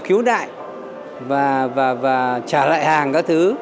khiếu đại và trả lại hàng các thứ